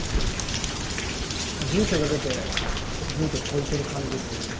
人生かけてずっと問いてる感じですね。